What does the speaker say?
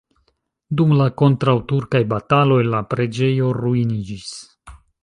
Dum la kontraŭturkaj bataloj la preĝejo ruiniĝis.